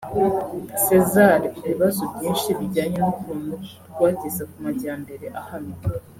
Cesar ibibazo byinshi bijyanye n’ukuntu rwageze ku majyambere ahamye